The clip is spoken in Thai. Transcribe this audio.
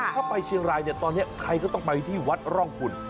ถ้าไปเชียงรายเนี่ยตอนนี้ใครก็ต้องไปที่วัดร่องคุณ